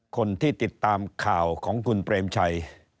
คนที่ติดตามข่าวของคุณเปรมชัย